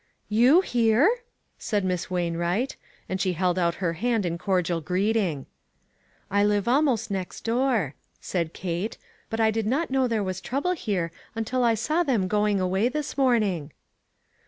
" You here ?" said Miss Wainwright ; and she held out her hand in cordial greeting. "I live almost next door," said Kate, "but I did not know there was trouble here until I saw them going away this morning."